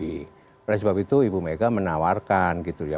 oleh sebab itu ibu mega menawarkan gitu ya